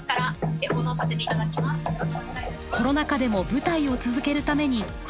コロナ禍でも舞台を続けるために配信を提案。